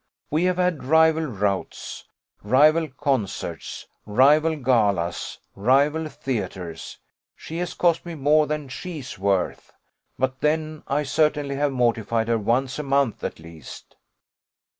We have had rival routs, rival concerts, rival galas, rival theatres: she has cost me more than she's worth; but then I certainly have mortified her once a month at least.